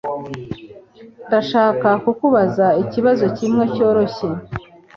Ndashaka kukubaza ikibazo kimwe cyoroshye